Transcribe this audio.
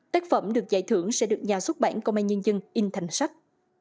tác phẩm được giải thưởng sẽ được nhà xuất bản công an nhân dân in thành sách